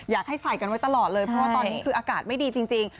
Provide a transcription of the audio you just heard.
อยากให้ใส่กันไว้ตลอดเลยเพราะว่าตอนนี้คืออากาศไม่ดีจริง